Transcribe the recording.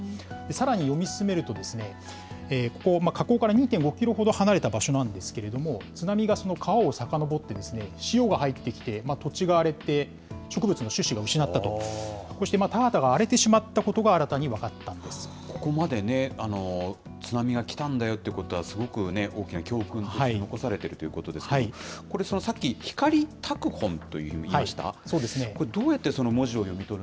さらに読み進めるとですね、ここ、河口から２．５キロほど離れた場所なんですけれども、津波がその川をさかのぼってですね、塩が入ってきて、土地が荒れて、植物の種子が失われたと、そして田畑が荒れてしまったことが新たここまでね、津波が来たんだよということは、すごく大きな教訓として残されているということですけれども、これ、さっき、ひかり拓本というふうに言いました？